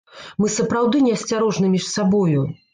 Мы сапраўды неасцярожны між сабою.